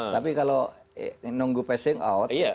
tapi kalau nunggu passing out